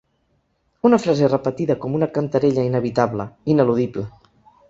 Una frase repetida com una cantarella inevitable, ineludible.